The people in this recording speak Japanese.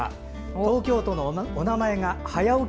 東京都のお名前が早起き